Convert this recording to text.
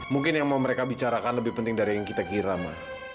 mungkin yang mau mereka bicarakan lebih penting dari yang kita kira mah